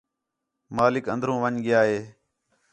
مالک اندر ون٘ڄ ڳِیا ہے